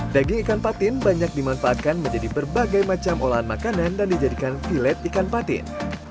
daging ikan patin banyak dimanfaatkan menjadi berbagai macam olahan makanan dan dijadikan vilet ikan patin